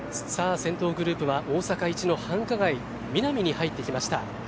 先頭グループは大阪一の繁華街ミナミに入ってきました。